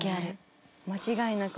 間違いなく。